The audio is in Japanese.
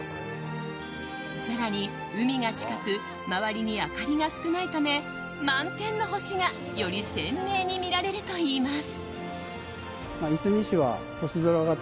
更に、海が近く周りに明かりが少ないため満天の星がより鮮明に見られるといいます。